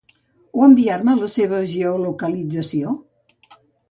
O enviar-me la seva geolocalització?